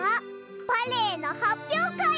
バレエのはっぴょうかい！